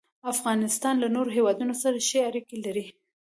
افغانستان له نورو هېوادونو سره ښې اړیکې لري.